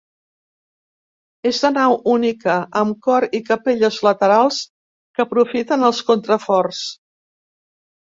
És de nau única, amb cor i capelles laterals que aprofiten els contraforts.